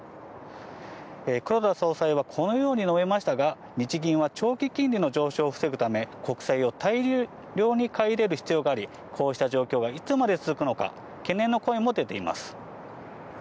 黒田総裁はこのように述べましたが、日銀は長期金利の上昇を防ぐため、国債を大量に買い入れる必要があり、こうした状況がいつまで続くのか、懸念の声も出ています。